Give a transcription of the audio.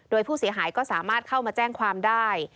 โดยผู้เสียหายก็สามารถเข้ามาแจ้งความได้